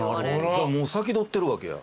じゃあもう先取ってるわけや。